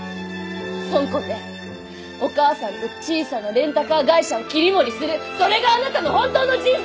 香港でお母さんと小さなレンタカー会社を切り盛りするそれがあなたの本当の人生。